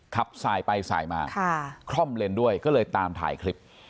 ขับสายไปสายมาคล่อมเลนด้วยก็เลยตามถ่ายคลิป